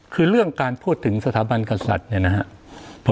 คือเรื่องการพูดถึงสถาบันกษัตริย์เนี่ยนะครับ